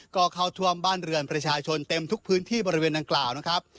ก็เข้าท่วมบ้านเรือนประชาชนเต็มทุกพื้นที่บริเวณดังกล่าวนะครับ